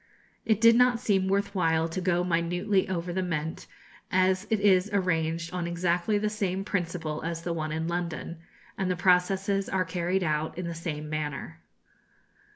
It did not seem worth while to go minutely over the Mint, as it is arranged on exactly the same principle as the one in London, and the processes are carried out in the same manner.